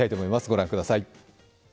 御覧ください。